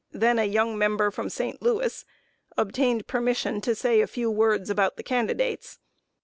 then a young member from St. Louis, obtained permission to say a few words about the candidates.